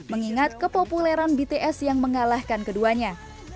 mengingat kepopuleran bts yang mengalahkan keduanya